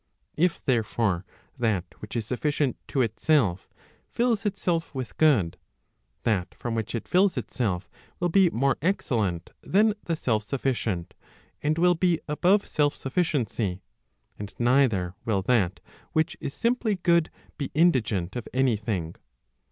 If, therefore, that which is sufficient to itself, fills itself with good, that from which it fills itself, will be more excellent than the self sufficient, and will be above self sufficiency. And neither will that which is simply good be indigent of any thing.